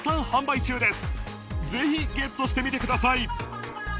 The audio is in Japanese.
ぜひゲットしてみてください